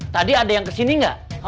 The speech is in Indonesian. tadi ada yang kesini nggak